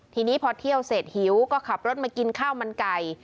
ทีนี้พอเที่ยวเสร็จหิวก็ขับรถมากินข้าวมันไก่